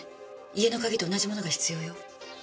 家の鍵と同じものが必要よ。